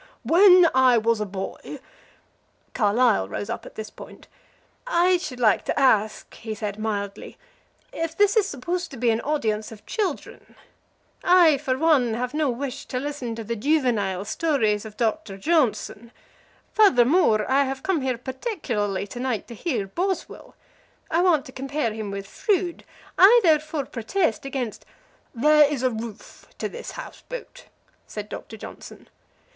When I was a boy " Carlyle rose up at this point. "I should like to ask," he said, mildly, "if this is supposed to be an audience of children? I, for one, have no wish to listen to the juvenile stories of Doctor Johnson. Furthermore, I have come here particularly to night to hear Boswell. I want to compare him with Froude. I therefore protest against " "There is a roof to this house boat," said Doctor Johnson.